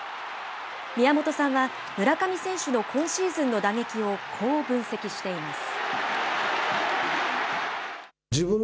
宮本さんは村上選手の今シーズンの打撃をこう分析しています。